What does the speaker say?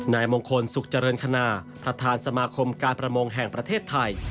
นายมงคลสุขเจริญคณาประธานสมาคมการประมงแห่งประเทศไทย